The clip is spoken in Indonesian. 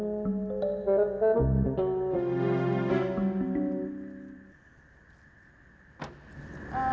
mama telah mohon maafkan papa